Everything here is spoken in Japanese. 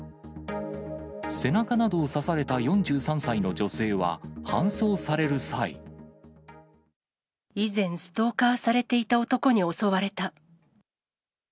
背中などを刺された４３歳の女性は、以前、ストーカーされていた男に襲われた。